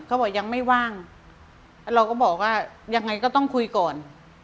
บอกยังไม่ว่างแล้วเราก็บอกว่ายังไงก็ต้องคุยก่อน